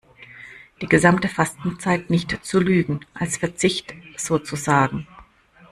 Die gesamte Fastenzeit nicht zu lügen, als Verzicht sozusagen.